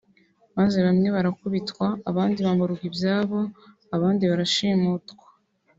maze bamwe barakubitwa abandi bamburwa ibyabo abandi barashimutwa